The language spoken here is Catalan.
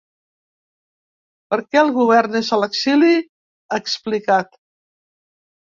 Per què el govern és a l’exili?, ha explicat.